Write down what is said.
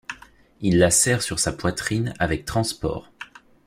Il la serre sur sa poitrine avec transport.